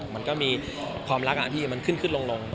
มันมีความรักอ่ะพี่มันขึ้นลง